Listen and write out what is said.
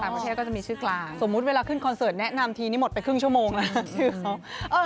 ไม่ใช่ก็จะมีชื่อกลางสมมุติเวลาขึ้นคอนเสิร์ตแนะนำทีนี้หมดไปครึ่งชั่วโมงนะชื่อเขา